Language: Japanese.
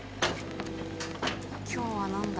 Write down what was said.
今日は何だ？